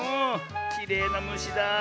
きれいなむしだあ。